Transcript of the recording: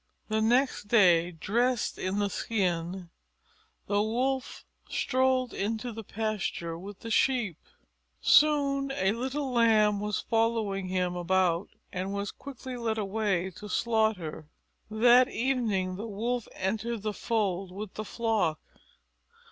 The next day, dressed in the skin, the Wolf strolled into the pasture with the Sheep. Soon a little Lamb was following him about and was quickly led away to slaughter. That evening the Wolf entered the fold with the flock.